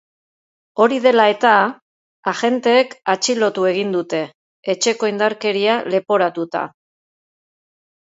Hori dela eta, agenteek atxilotu egin dute, etxeko indarkeria leporatuta.